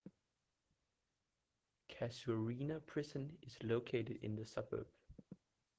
Casuarina Prison is located in the suburb.